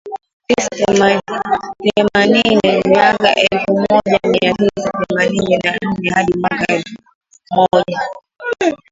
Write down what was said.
tisa themanini Miaka elfu moja mia tisa themanini na nne hadi mwaka elfu moja